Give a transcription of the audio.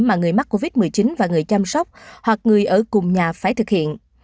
mà người mắc covid một mươi chín và người chăm sóc hoặc người ở cùng nhà phải thực hiện